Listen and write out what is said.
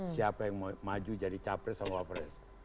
siapa yang mau maju jadi capres sama wapres